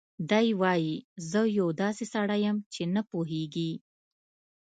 دی وايي: "زه یو داسې سړی یم چې نه پوهېږي